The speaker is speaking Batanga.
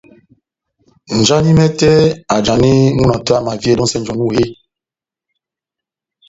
Njani mɛtɛ ajani múna tɛ́h amaviyedɛ ó nʼsɛnjɛ onu eeeh ?